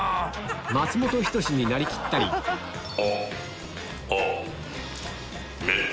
松本人志になりきったりあっあっ